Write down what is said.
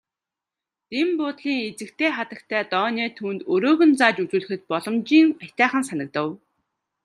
Дэн буудлын эзэгтэй хатагтай Дооне түүнд өрөөг нь зааж өгч үзүүлэхэд боломжийн аятайхан санагдав.